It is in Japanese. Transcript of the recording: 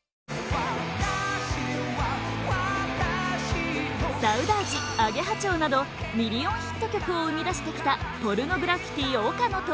「私は私と」「サウダージ」「アゲハ蝶」などミリオンヒット曲を生み出してきたポルノグラフィティ、岡野と